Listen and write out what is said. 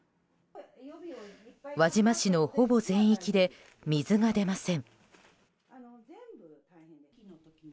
輪島市のほぼ全域で水が出ません。